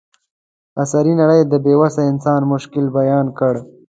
عصري نړۍ د بې وسه انسان مشکل بیان کړ.